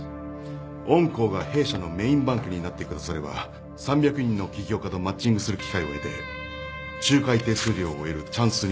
御行が弊社のメインバンクになってくだされば３００人の起業家とマッチングする機会を得て仲介手数料を得るチャンスにもなります。